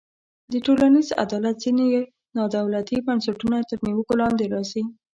د ټولنیز عدالت ځینې نا دولتي بنسټونه تر نیوکو لاندې راځي.